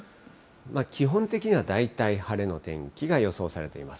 基本的には大体晴れの天気が予想されています。